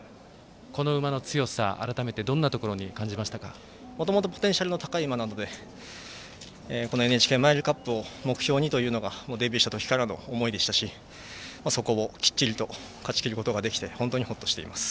この馬の強さ改めてどんなところにもともとポテンシャルの高い馬なのでＮＨＫマイルカップを目標にというのがデビューしたときからの思いでしたしそこをきっちりと勝ちきることができて本当にほっとしています。